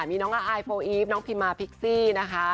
มีน้องอายโปอีฟน้องพิมมาพิกซี่นะคะ